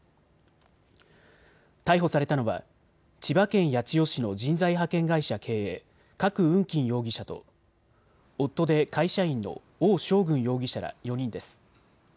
逮捕されたのは千葉県八千代市の人材派遣会社経営、郭云欽容疑者と夫で会社員の王紹軍容疑者ら４人です。